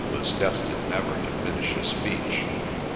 was destined never to finish a speech.